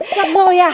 gặp rồi à